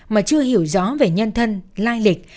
mà chưa hiểu rõ về nhân thân lai lịch